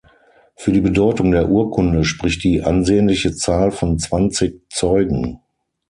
Für die Bedeutung der Urkunde spricht die ansehnliche Zahl von zwanzig Zeugen.